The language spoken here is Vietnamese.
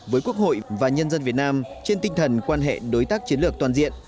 với quốc hội và nhân dân việt nam trên tinh thần quan hệ đối tác chiến lược toàn diện